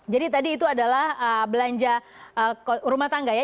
jadi tadi itu adalah belanja rumah tangga ya